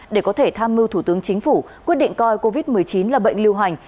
để có thể tham mưu thủ tướng chính phủ quyết định coi covid một mươi chín là bệnh lưu hành